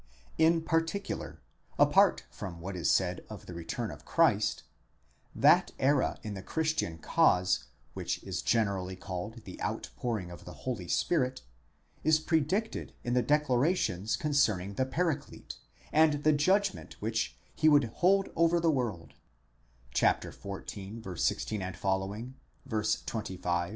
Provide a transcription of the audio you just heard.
In _par ticular, apart from what is said of the return of Christ, that erain the Christian cause which is generally called the outpouring of the Holy Spirit, is pre dicted in the declarations concerning the Paraclete, and the judgment which he would hold over the world (xiv. 16 ff.